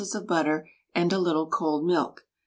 of butter, and a little cold milk.